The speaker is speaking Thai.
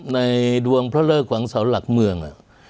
ในดวงพระเลิกของเสาหลักเมือง